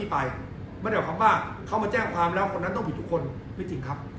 ไม่ได้หมายความว่าเขามาแจ้งความแล้วคนนั้นต้องผิดทุกคนไม่จริงครับ